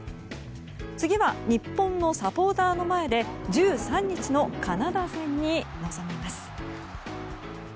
次は日本のサポーターの前で１３日のカナダ戦に臨みます。